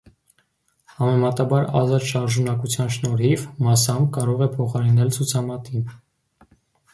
Համեմատաբար ազատ շարժունակության շնորհիվ, (մասամբ) կարող է փոխարինել ցուցամատին։